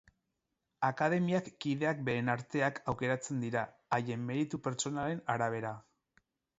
Akademiak kideak beren arteak aukeratzen dira, haien meritu pertsonalen arabera.